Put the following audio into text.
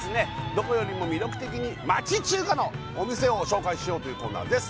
どこよりも魅力的に町中華のお店を紹介しようというコーナーです